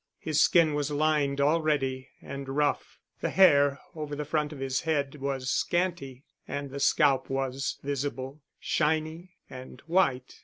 His skin was lined already and rough, the hair over the front of his head was scanty, and the scalp was visible, shiny and white.